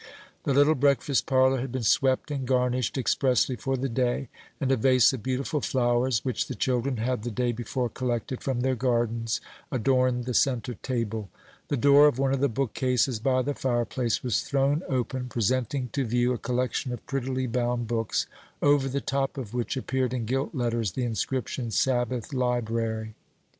The little breakfast parlor had been swept and garnished expressly for the day, and a vase of beautiful flowers, which the children had the day before collected from their gardens, adorned the centre table. The door of one of the bookcases by the fireplace was thrown open, presenting to view a collection of prettily bound books, over the top of which appeared in gilt letters the inscription, "Sabbath Library."